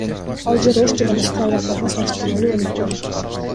Ал жер Ош жана башка аймактарга салыштырмалуу өнүккөн.